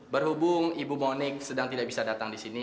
berhubung ibu monik sedang tidak bisa datang di sini